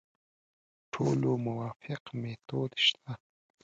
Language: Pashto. ټولو موافق میتود شته.